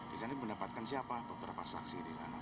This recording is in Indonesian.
di sana mendapatkan siapa beberapa saksi di sana